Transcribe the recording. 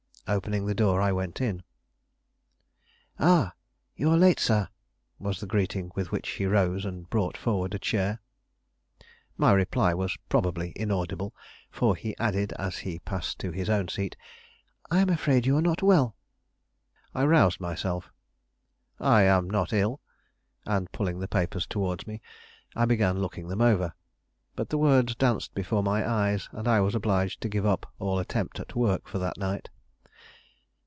Opening the door I went in. "Ah! you are late, sir," was the greeting with which he rose and brought forward a chair. My reply was probably inaudible, for he added, as he passed to his own seat: "I am afraid you are not well." I roused myself. "I am not ill." And, pulling the papers towards me, I began looking them over. But the words danced before my eyes, and I was obliged to give up all attempt at work for that night.